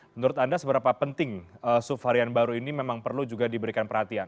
menurut anda seberapa penting subvarian baru ini memang perlu juga diberikan perhatian